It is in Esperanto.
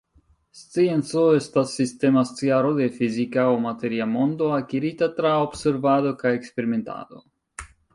Scienco estas sistema sciaro de fizika aŭ materia mondo akirita tra observado kaj eksperimentado.